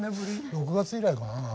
６月以来かなあ？